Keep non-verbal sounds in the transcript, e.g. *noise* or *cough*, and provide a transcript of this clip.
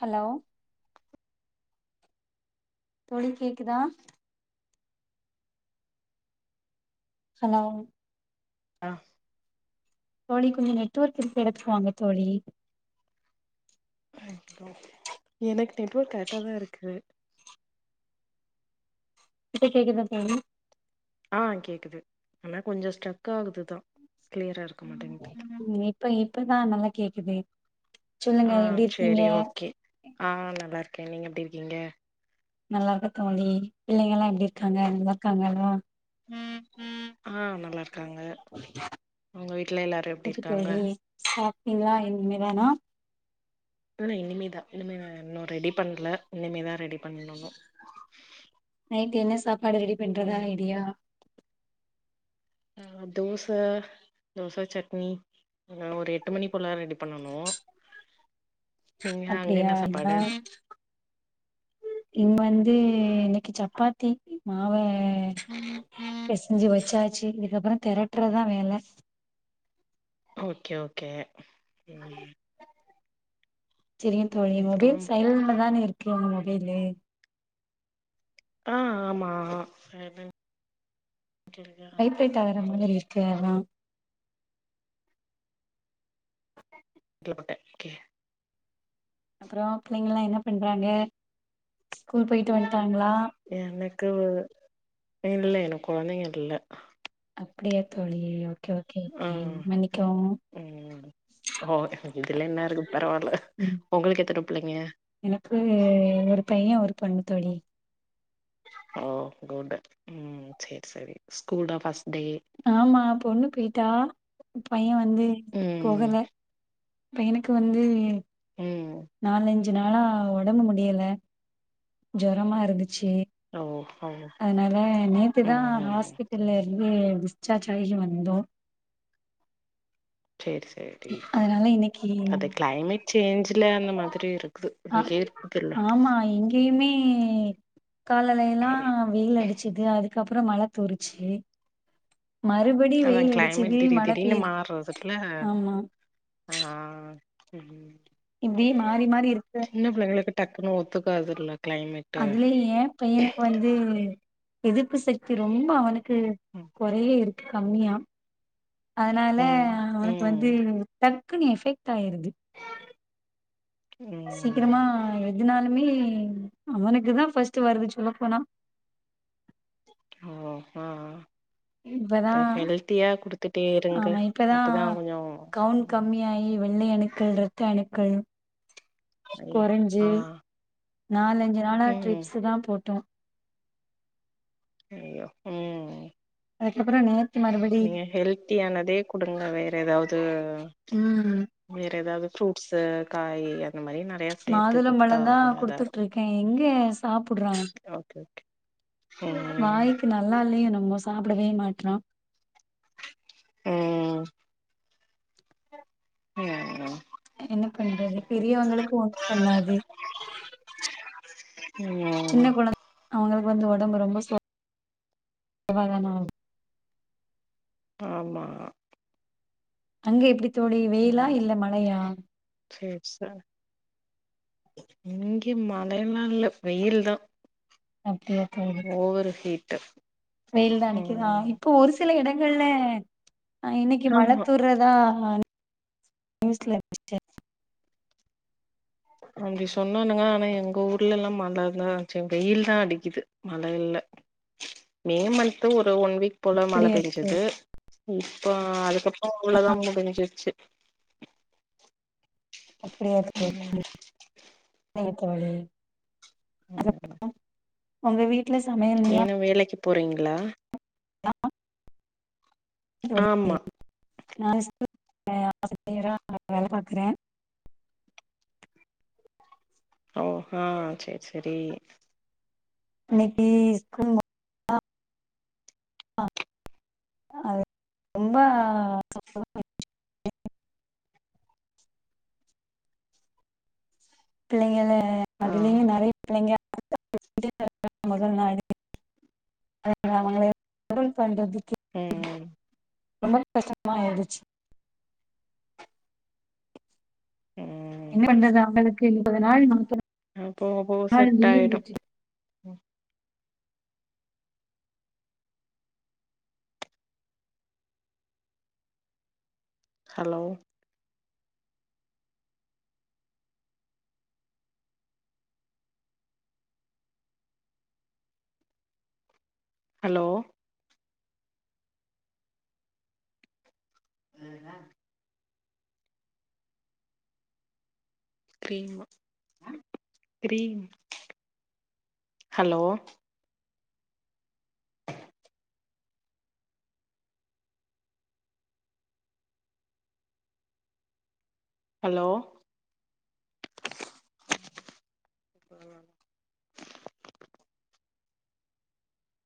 hello தோழி கேக்குதா hello ஆ தோழி கொஞ்சோ நெட்ஒர்க் இருக்க எடத்துக்கு வாங்க தோழி எனக்கு நெட்ஒர்க் கரெட்டா தாருக்கு இப்ப கேக்குதா தோழி ஆ கேக்குது ஆனா கொஞ்சோ ஸ்ட்டக் ஆகுது தா க்ளியராருக்க மாட்டேங் ம் இப்ப இப்ப தா நல்லா கேக்குது சொல்லுங்க ஆ எப்டி இருக்கீங்க சேரி ஓகே ஆ நல்லாருக்கே நீங்க எப்டி இருக்கீங்க நல்லாருக்கோ நீ பிள்ளைங்கலா எப்டி இருக்காங்க நல்லாருக்காங்கல்லா ஆ நல்லாருக்காங்க ஒங்க வீட்ல எல்லாரு எப்டி இருக்காங்க சாப்ட்டீங்ளா இனிமே தானா ஆ நா இனிமே தா இனிமே தா இன்னு ரெடி பண்ல இனிமே தா ரெடி பண்ணணு நைட்டு என்ன சாப்பாடு ரெடி பண்றதா ம் ஐடியா ஆ தோச தோச சட்னி ன்னா ஒரு எட்டு மணி போல ரெடி பண்ணணூ அப்டியா சாப்பாடு ஏ இங்க வந்து இன்னைக்கி சப்பாத்தி மாவ ம் ம் பேசஞ்சி வச்சாச்சி இதுக்கப்பறம் தெரட்டுறதா வேல ஓகே ஓகே ம் செரிங்க தோழி அப்றோ மொபைல் சைய்லண்ட்ல தானே இருக்கு உங்க மொபைலு ஆ ஆமா பேட் ஆகற மாதிரி இருக்கு அதா கில போட்டே ஓகே அப்புறோ புள்ளைங்களலாம் என்ன பண்றாங்க ஸ்கூல் போயிட்டு வந்துட்டாங்ளா எனக்கு இல்ல எனக்கு கொழந்தைங்க இல்ல அப்டியா தோழி ஓகே ஆ ஓகே மன்னிக்கவும் ம் ஓ இதுல என்னருக்கு பரவால்ல ம் ஒங்களுக்கு எத்தன புள்ளைங்க எனக்கு ஒரு பையே ஒரு பொண்ணு தோழி ஓ குட் ம் சேர் சேரி ஸ்கூல்டா ஃப்ர்ஸ்டே ஆமா பொண்ணு போயிட்டா பையே வந்து ம் போகல பையனக்கு வந்து ம் நாலஞ்சு நாலஞ்சி நாளா ஒடம்பு முடியல ஜுரம் இருந்துச்சி ஓ ஓ அதனால நேத்து தா ம் ஹாஸ்பிட்டல்ல இருந்து டிஸ்ச்சார்ஜ் ஆயி வெளிய வந்தோ சேரி சேரி டி அதனால இன்னைக்கு அது கிளைமேட் சேஞ்சல அந்தமா அ ஆமா இங்கேயுமே காலைலல்லா வெயில் அடிச்சிது அதுக்கப்றோ மழை தூரிச்சி மறுபடி அதா வெயில் கிளைமேட் அடிச்சது திடீர் மழை திடீர்னு பெயுது மாறுறதுல ஆமா ஆ தோழி இப்டி மாறி மாறி இருக்கு சின்ன பிள்ளைளுக்கு டக்குன்னு ஒத்துக்காதுல்ல கிளைமேட்டு அதுலயு ஏயா பையனுக்கு வந்து எதிர்ப்பு சக்தி ரொம்ப அவனுக் கு குறையே இருக்கு கம்மியா அதனால ம் அவனுக்கு வந்து ம் டக்குனு எஃபெக்ட் ஆயிருது ம் சீக்கிரமா எதினாலுமே அவனுக்கு தா ஃபர்ஸ்ட் வருது சொல்ல போனா ஓ அ இப்பதா அப்ப ஹெல்த்தியா குடுத்துட்டே இருங்க ஆமா இப்பதா அப்பதா கொஞ்சம் கவுண்ட் கம்மியாயி வெள்ளை அணுக்கள் இரத்த அணுக்கள் ஐயோ குறைஞ்சு ஆ நாலஞ்சு நாளா ம் ட்ரிப்ஸ் தா போட்டோ ஐயோ ம் அதுக்கப்றோ நேத் நீங்க ஹெல்த்தியானதே குடுங்க வேற எதாவது ம் வேற ஏதாவது ஃப்ரூட்ஸ்சு காயி அந்த மாரி நறைய மாதுளம் பழந் தா குடுத்துட்டு இருக்கே எங்க சாப்பிடுறான் இருக்கு ஓகே ஓகே ம் வாய்க்கு ந நல்லா இல்லையோ என்னமோ சாப்டவே மாட்றா ம் பிளாக் அ என்ன பண்றது பெரியவங்களுக்கு ஒன்னு பண்ணாது ம் சின்ன கொழந்தை அவுங்களுக்கு வந்து ஒடம்பு ரொம்ப சோ சோர்வாதான ஆவு ஆமா அங்க எப்டி தோழி வெயிலா இல்ல மழையா சேர் சார் இங்க மழைலா இல்ல வெயில் தா அப்டியா தோழி ஓவரு ஹீட்டு வெயில் தா அடிக்குதா ம் இப்போ ஒரு சில எடங்கள்ல அ இன்னைக்கி ஆமா மழத்தூர்ரதா அ நியூஸ்ல *inaudible* அப்டி சொன்னானுங்க ஆனா எங்க ஊர்லல்லா மழ தா ஆச்சு வெயில்தா அடிக்கிது மழ இல்ல மே மந்த் ஒரு ஒன் வீக் போலா மழ அப்டியா பேஞ்சிது தோழி இப்ப அதுக்கப்றோ உள்ள தா *unintelligible* பேஞ்சிச்சு அப்டியா தோழி சரிங்க தோழி ஒங்க வீட்ல சமையல் நீங்க ஏன்னா வேலைக்கு போறீங்களா ஆமா *inaudible* நா ஸ்கூல் ஆசிரியரா வேல பாக்குறே ஓ ஆ செரி செரி இன்னிக்கி ஸ்கூல் *inaudible* அது ரொம்ப பிள்ளைங்கள ஆ அதுலயும் நெறைய பிள்ளைங்க *inaudible* மொதல் நாளே *inaudible* ம் ரொம்ப கஷ்டமா இருந்துச்சு ம் என்ன பண்றது அவுங்களுக்கு முப்பது நாள் நாப்பது நாள் அ போக போக செட் லீவ் ஆயிடு விட்டு ஹலோ ஹலோ கேக்குதா ஹலோ ஹலோ